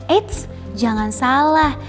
eits jangan salah